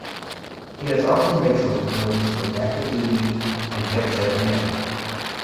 He has also made some films with Active Duty and Jet Set Men.